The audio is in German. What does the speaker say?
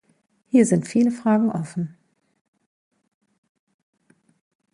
Hier sind viele Fragen offen.